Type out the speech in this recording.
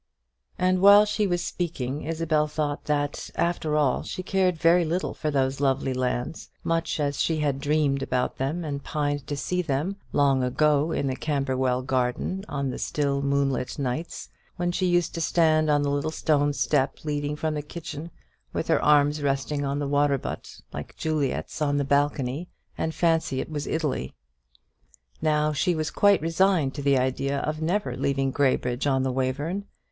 And while she was speaking, Isabel thought that, after all, she cared very little for those lovely lands; much as she had dreamed about them and pined to see them, long ago in the Camberwell garden, on still moonlight nights, when she used to stand on the little stone step leading from the kitchen, with her arms resting on the water butt, like Juliet's on the balcony, and fancy it was Italy. Now she was quite resigned to the idea of never leaving Graybridge on the Wayverne.